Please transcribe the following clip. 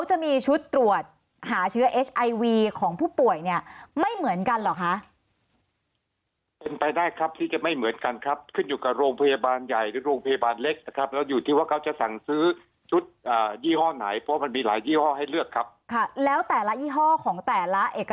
จะต้องทดสอบสิทธิภาพโดยห้องปฏิบัติการ